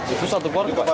itu satu keluarga